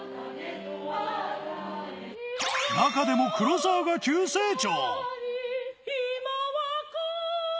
中でも黒沢が急成長。